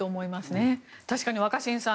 確かに、若新さん